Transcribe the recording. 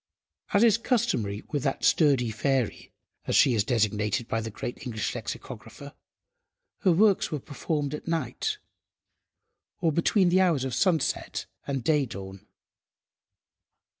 As is customary with that "sturdy fairy," as she is designated by the great English Lexicographer, her works were performed at night, or between the hours of sunset and day–dawn.